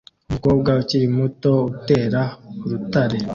Umukobwa ukiri muto utera urutare